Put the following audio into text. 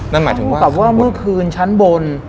นั่นหมายถึงว่าแต่ว่าเมื่อคืนชั้นบน